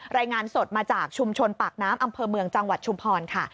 รายงานสดมาจากชุมชนปากน้ำอำเภอเมืองจังหวัดชุมพรค่ะ